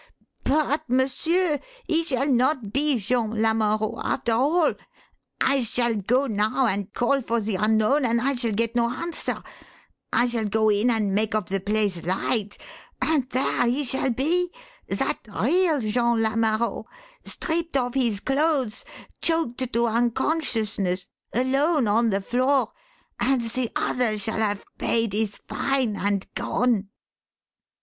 But, m'sieur, he shall not be Jean Lamareau after all! I shall go now and call for the unknown and I shall get no answer; I shall go in and make of the place light, and there he shall be, that real Jean Lamareau stripped of his clothes, choked to unconsciousness, alone on the floor, and the other shall have paid his fine and gone!"